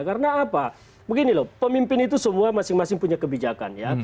karena apa begini loh pemimpin itu semua masing masing punya kebijakan ya